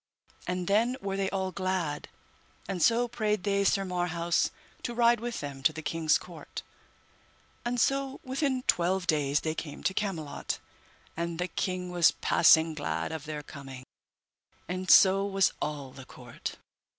And then were they all glad, and so prayed they Sir Marhaus to ride with them to the king's court. And so within twelve days they came to Camelot, and the king was passing glad of their coming, and so was all the court.